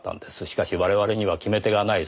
しかし我々には決め手がない。